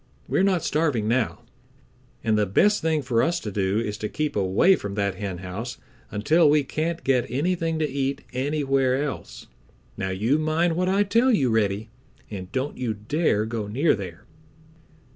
"We are not starving now, and the best thing for us to do is to keep away from that henhouse until we can't get anything to eat anywhere else, Now you mind what I tell you, Reddy, and don't you dare go near there."